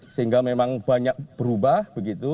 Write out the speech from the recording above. sehingga memang banyak berubah